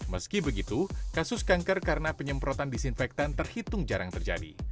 meski begitu kasus kanker karena penyemprotan disinfektan terhitung jarang terjadi